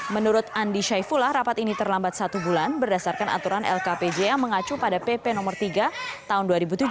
menurut andi syaifullah rapat ini terlambat satu bulan berdasarkan aturan lkpj yang mengacu pada pp no tiga tahun dua ribu tujuh belas